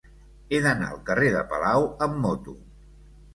He d'anar al carrer de Palau amb moto.